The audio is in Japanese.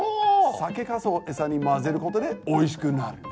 酒かすをエサに混ぜることでおいしくなるんですね。